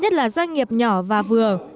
nhất là doanh nghiệp nhỏ và vừa